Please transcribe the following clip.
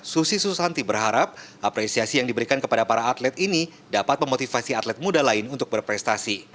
susi susanti berharap apresiasi yang diberikan kepada para atlet ini dapat memotivasi atlet muda lain untuk berprestasi